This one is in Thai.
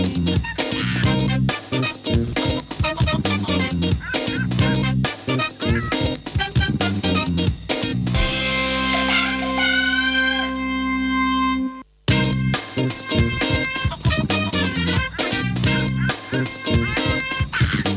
เวลาหมดแล้วนะครับเจอกันใหม่พรุ่งนี้ค่ะสวัสดีค่ะ